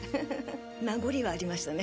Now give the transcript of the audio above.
名残はありましたね。